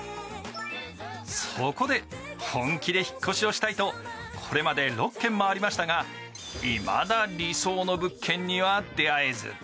そこで本気で引っ越しをしたいと、これまで６軒回りましたがいまだ理想の物件には出会えず。